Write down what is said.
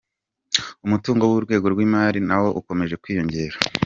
Umutungo w’Urwego rw’imari nawo ukomeje kwiyongera.